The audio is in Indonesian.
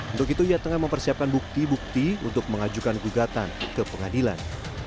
untuk itu ia tengah mempersiapkan bukti bukti untuk mengajukan gugatan ke pengadilan